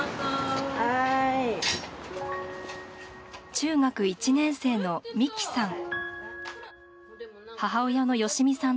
中学１年生の美樹さん。